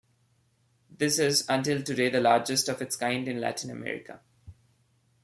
This is, until today, the largest of its kind in Latin America.